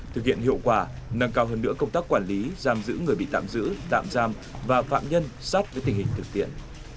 thực hiện hiệu quả nâng cao hơn nữa công tác quản lý giam giữ người bị tạm giữ tạm giam và phạm nhân sát với tình hình thực tiễn